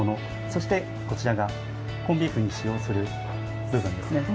そしてこちらがコンビーフに使用する部分ですね。